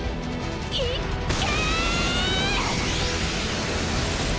いっけ！